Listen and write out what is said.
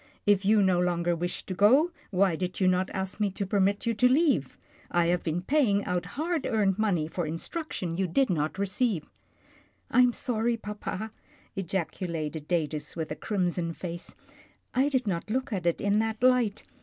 If you no longer wished to go, why did you not ask me to permit you to leave? I have been paying out hard earned money for instruction yptji did not receive." rroY '" Fm sorry, papa," ejaculated Datus with a crim son face. " I did not look at it in that light.